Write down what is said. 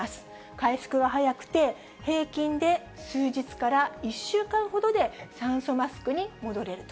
回復は早くて、平均で数日から１週間ほどで酸素マスクに戻れると。